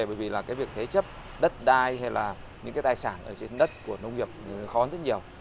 bởi vì việc thế chấp đất đai hay là những tài sản ở trên đất của nông nghiệp khó rất nhiều